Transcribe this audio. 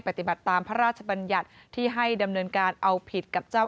ปฏิบัติตามพระราชบัญญัติที่ให้ดำเนินการเอาผิดกับเจ้า